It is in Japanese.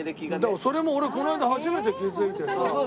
だからそれも俺この間初めて気付いてさ。